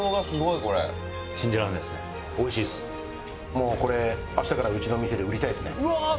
「もうこれ明日からうちの店で売りたいですね」